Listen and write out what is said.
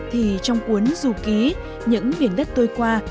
thì trong cuốn dù ký những miền đất tôi qua